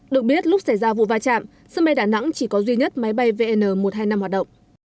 được biết lúc xảy ra vụ va chạm sân bay đà nẵng chỉ có duy nhất máy bay vn một trăm hai mươi năm hoạt động